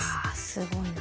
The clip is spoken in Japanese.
すごいな。